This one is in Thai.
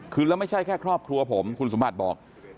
คือแล้วไม่ใช่แค่ครอบครัวผมคุณสมบัติบอก